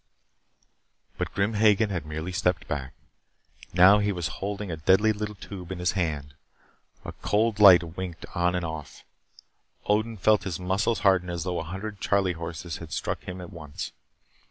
But Grim Hagen had merely stepped back. Now he was holding a deadly little tube in his hand. A cold light winked on and off. Odin felt his muscles harden as though a hundred charley horses had struck him at once.